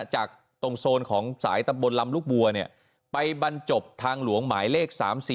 จากตรงโซนของสายตำบลลำลูกบัวไปบรรจบทางหลวงหมายเลข๓๔